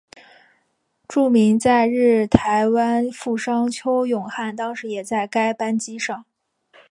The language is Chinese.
著名在日台湾富商邱永汉当时也在该班机上。